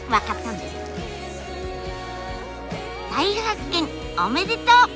大発見おめでとう！